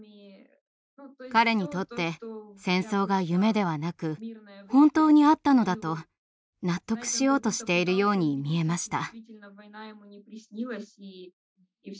彼にとって戦争が夢ではなく本当にあったのだと納得しようとしているように見えました。